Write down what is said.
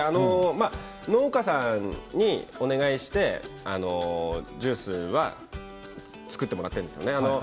農家さんにお願いしてジュースは作ってもらっているんですね。